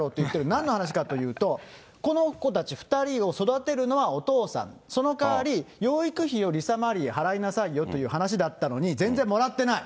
なんの話かというと、この子たち２人を育てるのはお父さん、そのかわり、養育費をリサ・マリー払いなさいよという話だったのに全然もらってない。